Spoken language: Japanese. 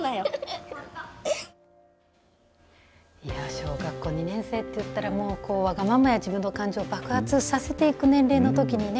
小学校２年生って言ったらわがままや自分の感情を爆発させていく年齢のときにね